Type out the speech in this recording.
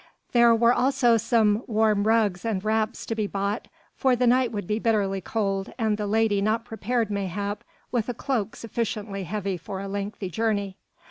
There were also some warm rugs and wraps to be bought, for the night would be bitterly cold and the lady not prepared mayhap with a cloak sufficiently heavy for a lengthy journey.